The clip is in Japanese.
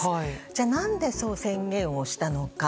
じゃあ何でそう宣言をしたのか。